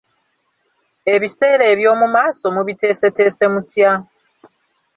Ebiseera eby'omu maaso mubiteeseteese mutya?